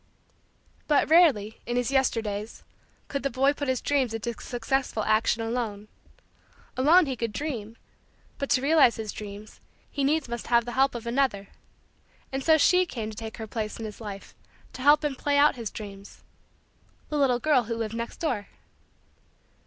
But rarely, in his Yesterdays, could the boy put his dreams into successful action alone. Alone he could dream but to realize his dreams, he needs must have the help of another. And so she came to take her place in his life, to help him play out his dreams the little girl who lived next door.